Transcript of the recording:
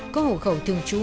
có hộ khẩu thường trú